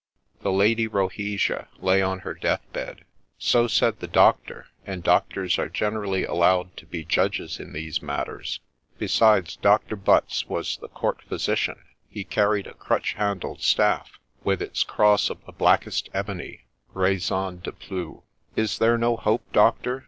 FTIHE Lady Rohesia lay on her death bed ! JL So said the doctor, and doctors are generally allowed to be judges in these matters ; besides Doctor Butts was the Court Physician: he carried a crutch handled staff, with its cross of the blackest ebony, — raison de plus. f Is there no hope, Doctor